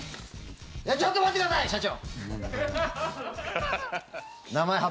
ちょっと待ってください！社長！